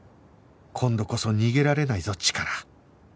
今度こそ逃げられないぞチカラ